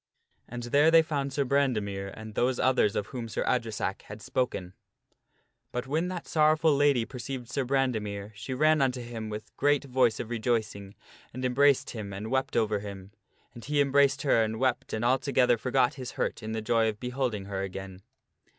And there they found Sir Brande. mere and those others of whom Sir Adresack had spoken. But when that sorrowful lady perceived Sir Brandemere, she ran unto sir Pellias ^* m w ^ g reat voice of rejoicing and embraced him and wept liberates the over him. And he embraced her and wept and altogether captives. forgot his hurt in the joy of beholding her again.